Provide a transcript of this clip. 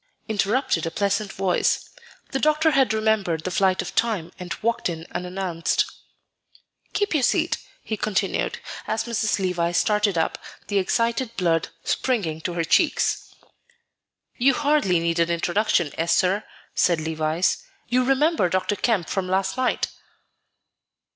interrupted a pleasant voice; the doctor had remembered the flight of time, and walked in unannounced. "Keep your seat," he continued, as Mrs. Levice started up, the excited blood springing to her cheeks. "You hardly need an introduction, Esther," said Levice. "You remember Dr. Kemp from last night?"